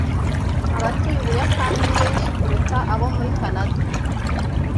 Abatuye Ubuyapani ni benshi kuruta abo muri Kanada